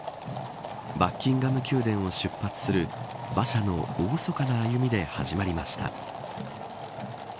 バッキンガム宮殿を出発する馬車の厳かな歩みで始まりました。